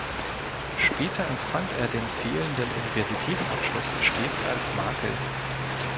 Später empfand er den fehlenden Universitätsabschluss stets als Makel.